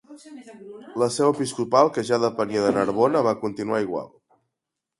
La seu episcopal que ja depenia de Narbona, va continuar igual.